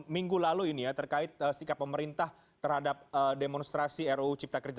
minggu lalu ini ya terkait sikap pemerintah terhadap demonstrasi ruu cipta kerja